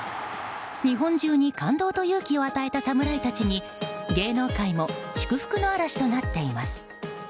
日本中に感動と勇気を与えた侍たちに芸能界も祝福の嵐となっています。